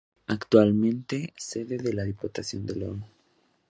Actualmente, sede de la Diputación de León.